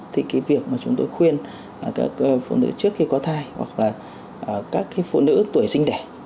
thì cái việc mà chúng tôi khuyên các phụ nữ trước khi có thai hoặc là các cái phụ nữ tuổi sinh đẻ